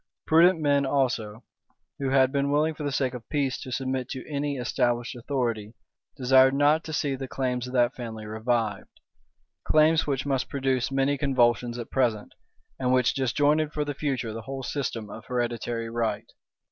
Prudent men also, who had been willing for the sake of peace to submit to any established authority, desired not to see the claims of that family revived; claims which must produce many convulsions at present, and which disjointed for the future the whole system of hereditary right.